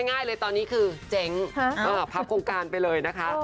ง่ายเลยตอนนี้คือเจ๊งพับโครงการไปเลยนะคะ